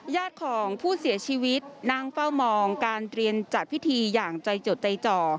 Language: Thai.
ญาติของผู้เสียชีวิตนั่งเฝ้ามองการเรียนจัดพิธีอย่างใจจดใจจ่อ